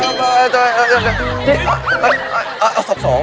อาอาสับสอง